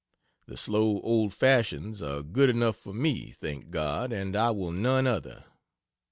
The slow old fashions are good enough for me, thank God, and I will none other.